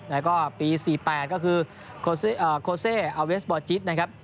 แล้วก็ปี๔๘ก็คือโคเซ่อัเวสบอลจิสนะครับ